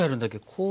こう。